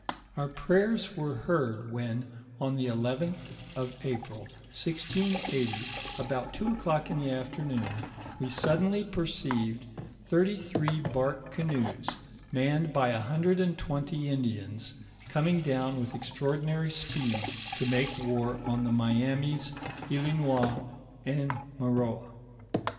Our prayers were heard when, on the 11th of April, 1680, about two o'clock in the afternoon, we suddenly perceived thirty three bark canoes, manned by a hundred and twenty Indians, coming down with extraordinary speed, to make war on the Miamis, Islinois, and Maroa.